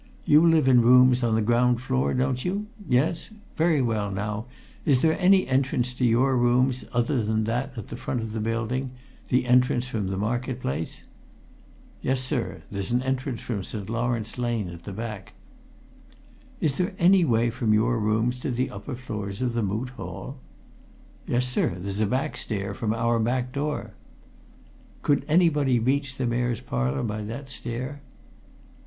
You live in rooms on the ground floor, don't you? Yes? Very well, now, is there any entrance to your rooms other than that at the front of the building the entrance from the market place?" "Yes, sir. There's an entrance from St. Lawrence Lane, at the back." "Is there any way from your rooms to the upper floors of the Moot Hall?" "Yes, sir. There's a back stair, from our back door." "Could anybody reach the Mayor's Parlour by that stair?"